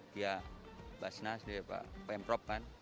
pak basnas dari pak pemprov kan